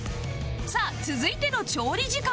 さあ続いての調理時間は？